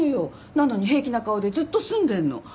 なのに平気な顔でずっと住んでるの。